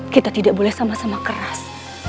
kita tidak boleh sama sama keras